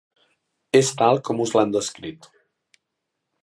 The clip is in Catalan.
És tal com us l'han descrit.